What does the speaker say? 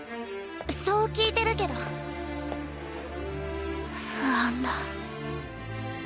そう聞いてるけど不安だ。